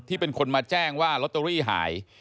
เป็นคนมาแจ้งว่าลอตเตอรี่หาย